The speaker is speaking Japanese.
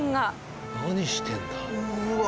何してんだ？